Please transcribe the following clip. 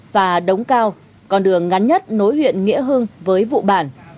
và đống cao con đường ngắn nhất nối huyện nghĩa hưng với vụ bản